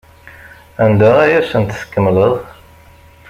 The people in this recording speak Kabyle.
Anda ay asent-tkemmleḍ?